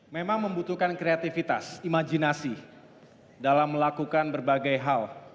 memang membutuhkan kreativitas imajinasi dalam melakukan berbagai hal